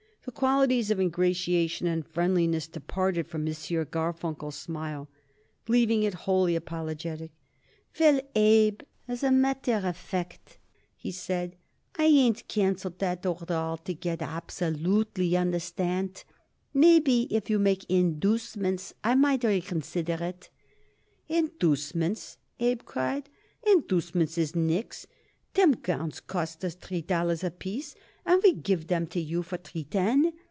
The qualities of ingratiation and friendliness departed from M. Garfunkel's smile, leaving it wholly apologetic. "Well, Abe, as a matter of fact," he said, "I ain't canceled that order altogether absolutely, y'understand. Maybe if you make inducements I might reconsider it." "Inducements!" Abe cried. "Inducements is nix. Them gowns costs us three dollars apiece, and we give 'em to you for three ten.